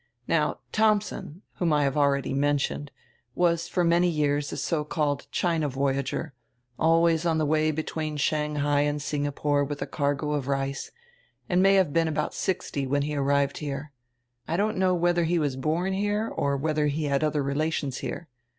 "Now Thomsen, whom I have already mentioned, was for many years a so called China voyager, always on the way between Shanghai and Singapore with a cargo of rice, and may have been about sixty when he arrived here. I don't know whether he was born here or whether he had other relations here.